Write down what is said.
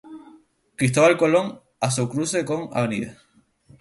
Cristóbal Colón" a su cruce con "Av.